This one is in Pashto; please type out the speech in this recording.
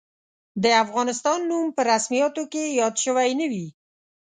د افغانستان نوم په رسمیاتو کې یاد شوی نه وي.